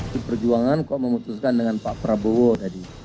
di perjuangan kok memutuskan dengan pak prabowo tadi